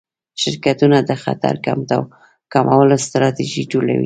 شرکتونه د خطر کمولو ستراتیژي جوړوي.